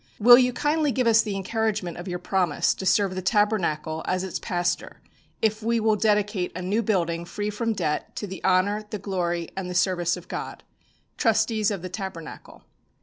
"Will you kindly give us the encouragement of your promise to serve the Tabernacle as its pastor, if we will dedicate a new building free from debt, to the honour, the glory, and the service of God? "TRUSTEES OF THE TABERNACLE."